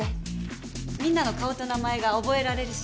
みんなの顔と名前が覚えられるし。